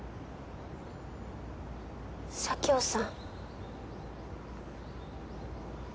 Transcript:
佐京さん